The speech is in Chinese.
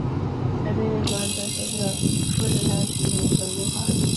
而背面图案则显示了富士山取景和樱花。